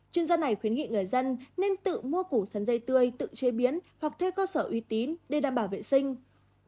chuyên gia này khuyến nghị người dân nên tự mua củ sắn dây tươi tự chế biến hoặc thuê cơ sở uy tín để đảm bảo vệ sinh